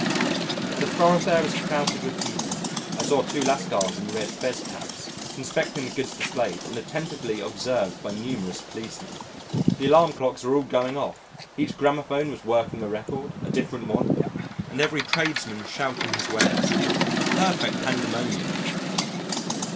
The thoroughfare was crowded with people (I saw two Lascars in red fez caps) inspecting the goods displayed and attentively observed by numerous policemen. The alarm clocks were all going off, each gramophone was working a record (a different one!) and every tradesman shouting his wares a perfect pandemonium.